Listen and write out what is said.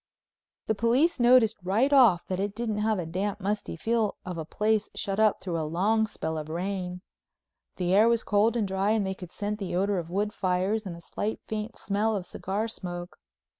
The police noticed right off that it didn't have the damp, musty feel of a place shut up through a long spell of rain. The air was cold and dry and they could scent the odor of wood fires and a slight faint smell of cigar smoke.